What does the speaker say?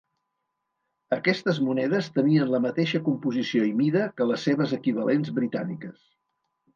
Aquestes monedes tenien la mateixa composició i mida que les seves equivalents britàniques.